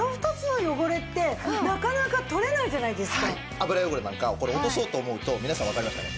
脂汚れなんかこれ落とそうと思うと皆さんわかりますかね。